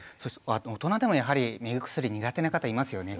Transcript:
大人でもやはり目薬苦手な方いますよね。